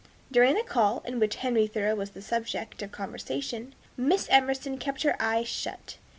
During the call, in which Henry Thoreau was the subject of conversation, Miss Emerson kept her eyes shut.